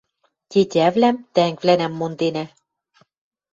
Тетявлӓм, тӓнгвлӓнӓм монденӓ.